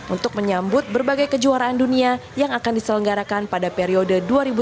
untuk menyambut berbagai kejuaraan dunia yang akan diselenggarakan pada periode dua ribu sembilan belas dua ribu dua puluh